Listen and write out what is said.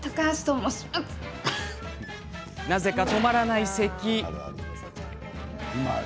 なぜか止まらないせき。